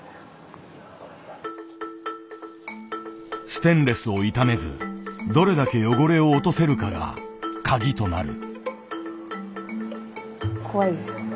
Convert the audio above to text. ステンレスを傷めずどれだけ汚れを落とせるかがカギとなる。